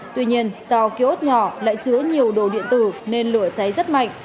tuy nhiên do kiosk nhỏ lại chứa nhiều đồ điện tử nên lửa cháy rất mạnh